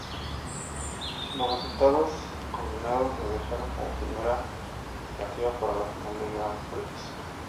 Los resultados combinados la dejaron como primera alternativa para la Final del Grand Prix.